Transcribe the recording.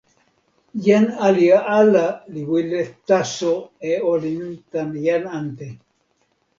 jan ali ala li wile taso e olin tan jan ante.